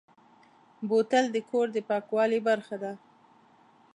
بوتل د کور د پاکوالي برخه ده.